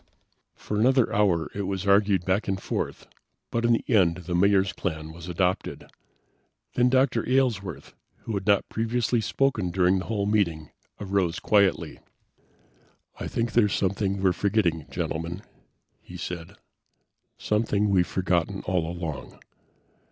For another hour it was argued back and forth, but in the end the Mayor's plan was adopted. Then Dr. Aylesworth, who had not previously spoken during the whole meeting, arose quietly. "I think there's something we're forgetting, Gentlemen," he said. "Something we've forgotten all along.